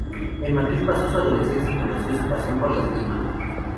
En Madrid pasó su adolescencia y conoció su pasión por la esgrima.